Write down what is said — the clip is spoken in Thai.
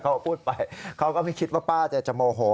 พูดไปเขาก็ไม่คิดว่าป้าจะโมโห